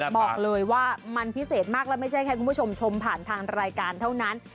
บอกเลยว่ามันพิเศษมากแล้วไม่ใช่แค่คุณผู้ชมชมผ่านทางรายการเท่านั้น